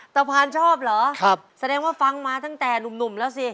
พานชอบเหรอแสดงว่าฟังมาตั้งแต่หนุ่มแล้วสิ